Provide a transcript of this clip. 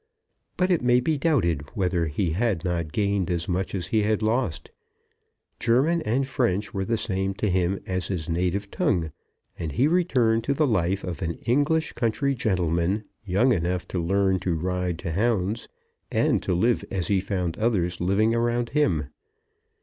But it may be doubted whether he had not gained as much as he had lost. German and French were the same to him as his native tongue; and he returned to the life of an English country gentleman young enough to learn to ride to hounds, and to live as he found others living around him.